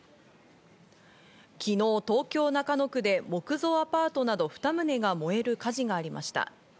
昨日、東京・中野区で木造アパートなど２棟が燃える火事がありました。